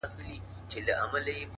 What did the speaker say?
هدف روښانه وي نو قدمونه سمېږي؛